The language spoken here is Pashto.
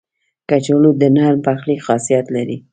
کچالو د نرم پخلي خاصیت لري